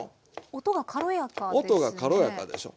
音が軽やかですね。